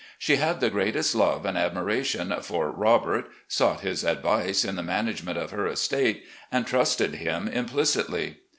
She had the greatest love and admiration for "Robert," sought his advice in the management of her estate, and trusted him implicitly.